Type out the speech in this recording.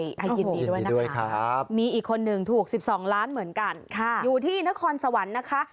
ยินดีด้วยนะคะมีอีกคนหนึ่งถูก๑๒ล้านเหมือนกันอยู่ที่นครสวรรค์นะคะ